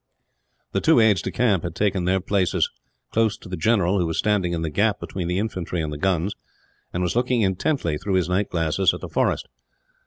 The two aides de camp had taken their places close to the general, who was standing in the gap between the infantry and the guns; and was looking intently, through his night glasses, at the forest.